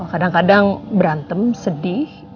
kadang kadang berantem sedih